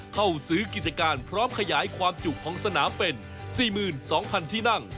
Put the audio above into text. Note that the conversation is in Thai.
เข้าซื้อกิจการพร้อมขยายความจุของสนามเป็น๔๒๐๐๐ที่นั่ง